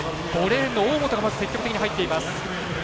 ５レーンの大本が積極的に入っています。